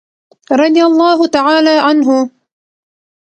رضي الله تعالی عنه.